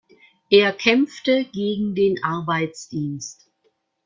Er kämpfte gegen den Arbeitsdienst.